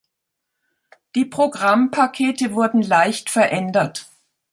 Die Programmpakete wurden leicht verändert.